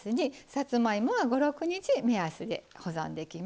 さつまいもは５６日目安で保存できます。